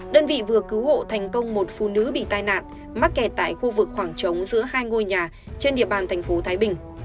đơn vị vừa cứu hộ thành công một phụ nữ bị tai nạn mắc kẹt tại khu vực khoảng trống giữa hai ngôi nhà trên địa bàn thành phố thái bình